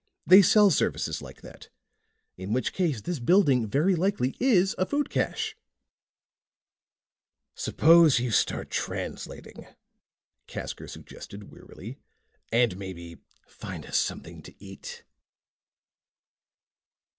They sell services like that. In which case, this building very likely is a food cache!" "Suppose you start translating," Casker suggested wearily, "and maybe find us something to eat."